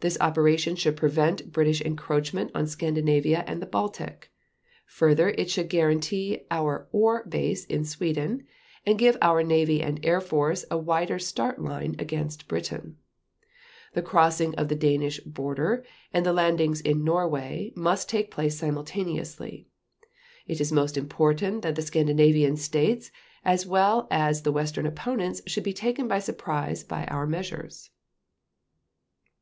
This operation should prevent British encroachment on Scandinavia and the Baltic; further, it should guarantee our ore base in Sweden and give our Navy and Air Force a wider start line against Britain .... The crossing of the Danish border and the landings in Norway must take place simultaneously .... It is most important that the Scandinavian States as well as the Western opponents should be taken by surprise by our measures."